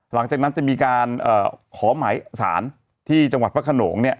หลังจากนั้นจะมีการขอหมายสารที่จังหวัดพระขนงเนี่ย